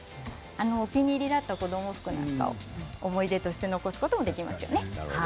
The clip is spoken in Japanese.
お気に入りだった子ども服なんかを思い出として残すこともできますよね。